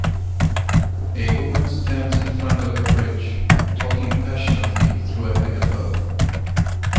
A woman stands in front of a bridge, talking passionately through a megaphone.